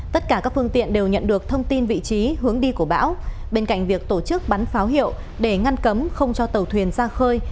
tất cả các phương tiện đều nhận được thông tin vị trí hướng đi của bão bên cạnh việc tổ chức bắn pháo hiệu để ngăn cấm không cho tàu thuyền ra khơi